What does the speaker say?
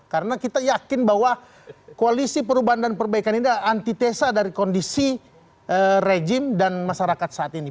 karena kita yakin bahwa koalisi perubahan dan perbaikan ini adalah antitesa dari kondisi rejim dan masyarakat saat ini